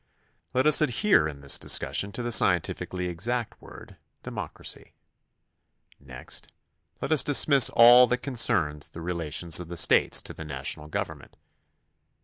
Let us adhere in this discussion to the scientifically exact word "de mocracy." Next let us dismiss all that concerns the re 50 THE CONSTITUTION AND ITS MAKERS lations of the States to the national government.